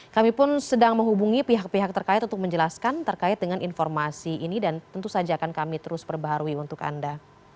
kami pun sedang menghubungi pihak pihak terkait untuk menjelaskan terkait dengan informasi ini dan tentu saja akan kami terus perbaharui untuk anda